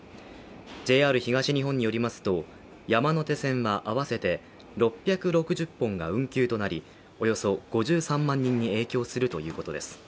ＪＲ東日本によりますと、山手線は合わせて６６０本が運休となりおよそ５３万人に影響するということです。